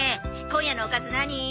今夜のおかず何？